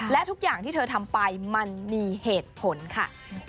และทุกอย่างที่เธอทำไปมันมีเหตุผลค่ะ